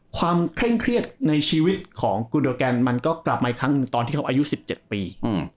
ความเคร่งเครียดในชีวิตของกูดออแกนมันก็กลับมาอีกครั้งหนึ่งตอนที่เขาอายุสิบเจ็ดปีอืม